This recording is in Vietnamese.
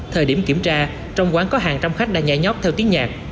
thời điểm kiểm tra trong quán có hàng trăm khách đã nhảy nhóc theo tiếng nhạc